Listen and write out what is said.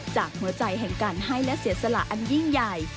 จากหัวใจแห่งการให้และเสียสละอันยิ่งใหญ่